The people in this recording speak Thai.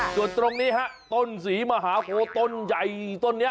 ส่วนตรงนี้ฮะต้นศรีมหาโพต้นใหญ่ต้นนี้